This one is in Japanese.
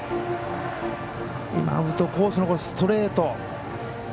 アウトコースのストレート。